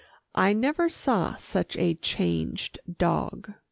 I never saw such a changed dog.